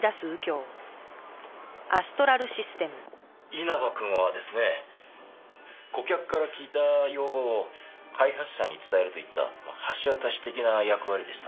稲葉くんはですね顧客から聞いた要望を開発者に伝えるといった橋渡し的な役割でした。